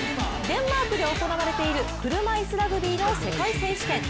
デンマークで行われている車いすラグビーの世界選手権。